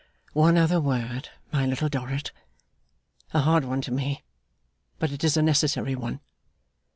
'One other word, my Little Dorrit. A hard one to me, but it is a necessary one.